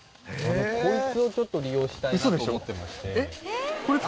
こいつをちょっと利用したいなと思ってまして。